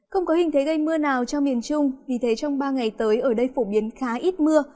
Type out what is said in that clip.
không có hình thế gây mưa nào cho miền trung vì thế trong ba ngày tới ở đây phổ biến khá ít mưa